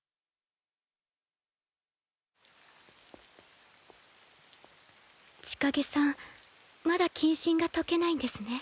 ザァーー千景さんまだ謹慎が解けないんですね。